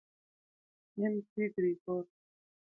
اېم سي ګرېګور.